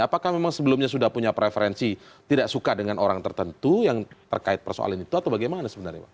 apakah memang sebelumnya sudah punya preferensi tidak suka dengan orang tertentu yang terkait persoalan itu atau bagaimana sebenarnya pak